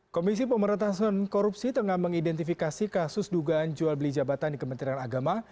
komisi pemerintahan korupsi tengah mengidentifikasi kasus dugaan jual beli jabatan di kementerian agama